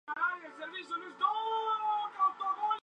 En ese mismo año se fue al Philadelphia Spartans.